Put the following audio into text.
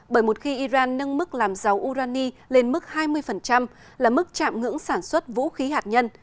bởi một khi iran nâng mức làm dầu urani lên mức hai mươi là mức chạm ngưỡng sản xuất vũ khí hạt nhân